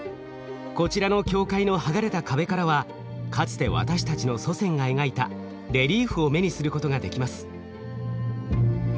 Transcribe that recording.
こちらの教会の剥がれた壁からはかつて私たちの祖先が描いたレリーフを目にすることができます。